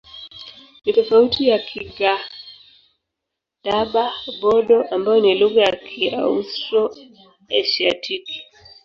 Ni tofauti na Kigadaba-Bodo ambayo ni lugha ya Kiaustro-Asiatiki.